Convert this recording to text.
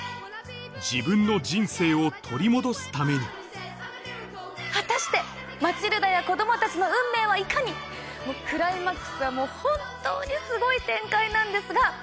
自分の人生を取り戻すために果たしてマチルダや子供たちの運命はいかに⁉クライマックスは本当にすごい展開なんですが。